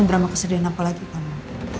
lo drama kesedihan apa lagi kamu